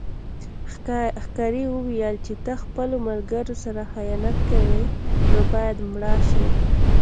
ښکاري وویل چې ته خپلو ملګرو سره خیانت کوې نو باید مړه شې.